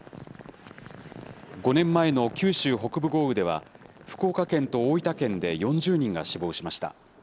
５年前の九州北部豪雨では、福岡県と大分県で４０人が死亡しました。